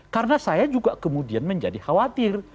karena saya juga kemudian menjadi khawatir